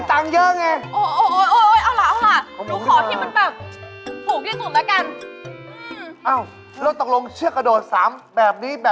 อันนี้เหรอมีตังค์เยอะไงโอ๊ยเอาละ